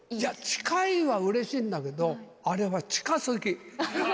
近いはうれしいんだけど、あれは近すぎ。